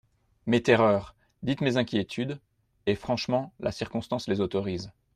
Mes terreurs !… dites mes inquiétudes ; et, franchement, la circonstance les autorise.